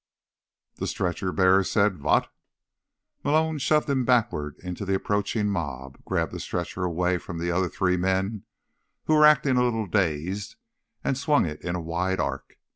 The stretcher bearer said, "Vot?" Malone shoved him backward into the approaching mob, grabbed the stretcher away from the other three men, who were acting a little dazed, and swung it in a wide arc.